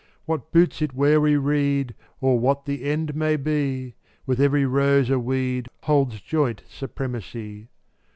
What boots it where we read, Or what the end may be? With every rose a weed Holds joint supremacy.